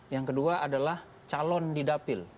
yang kedua adalah calon didapil